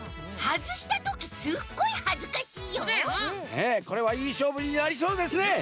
ねえこれはいいしょうぶになりそうですね。